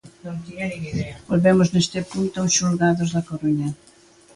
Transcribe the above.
Volvemos neste punto aos xulgados da Coruña.